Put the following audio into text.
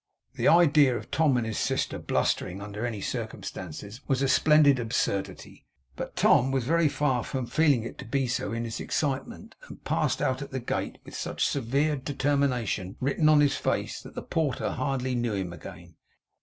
The idea of Tom and his sister blustering, under any circumstances, was a splendid absurdity. But Tom was very far from feeling it to be so, in his excitement; and passed out at the gate with such severe determination written in his face that the porter hardly knew him again.